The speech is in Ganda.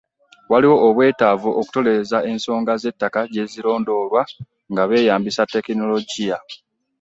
Waliwo obwetaavu okutereeza engeri ensonga z'ettaka gye zirondoolwa nga beeyambisa Tekinologiya